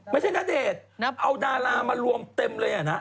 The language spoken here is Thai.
ณเดชน์เอาดารามารวมเต็มเลยอ่ะนะ